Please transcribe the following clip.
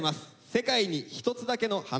「世界に一つだけの花」。